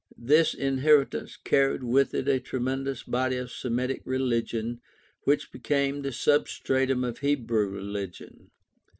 This inher itance carried with it a tremendous body of Semitic religion which became the substratum of Hebrew religion.